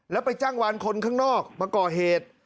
แล้วไปจ้างวานคนข้างนอกมาก่อเหตุ